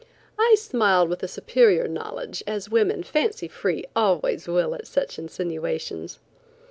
I smiled with a superior knowledge, as women, fancy free, always will at such insinuations.